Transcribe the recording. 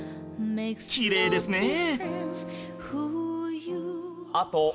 きれいですねえ